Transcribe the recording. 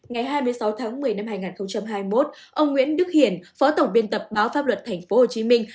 ngày hai mươi sáu tháng một mươi năm hai nghìn hai mươi một ông nguyễn đức hiển phó tổng biên tập báo pháp luật thành phố hồ chí minh